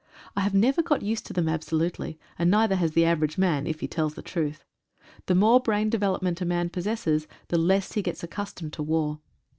I have never got used to them absolutely, and neither has the average man if he tells the truth. The more brain development a man possesses the less he gets accustomed to war.